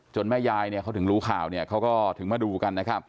จนแม่ยายเขาถึงรู้ข่าวมาดูกัน